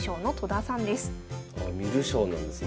観る将なんですね。